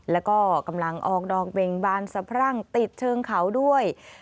แล้วก็กำลังออกดอกเบ่งบานสะพรั่งติดเชิงเขาด้วย